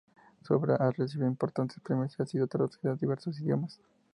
Su obra ha recibido importantes premios y ha sido traducida a diversos idiomas.